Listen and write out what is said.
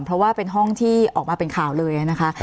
เพราะว่าเป็นห้องที่ออกมาเป็นข่าวเลยนะคะ